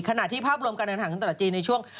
ภาพที่ภาพรวมการเดินทางของตลาดจีนในช่วง